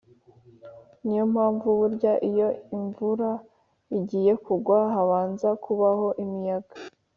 ni yo mpamvu burya iyo imvura igiye kugwa, habanza kubaho imiyaga.